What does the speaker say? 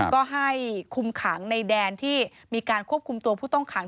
ก็ให้คุมขังในแดนที่มีการควบคุมตัวผู้ต้องขัง